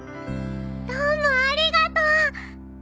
どうもありがとう！